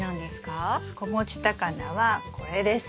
子持ちタカナはこれです。